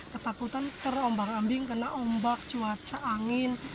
ketakutan terombang ambing kena ombak cuaca angin